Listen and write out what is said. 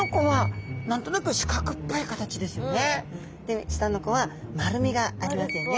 で下の子は丸みがありますよね。